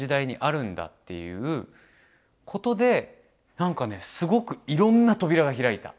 なんかねすごくいろんな扉が開いた。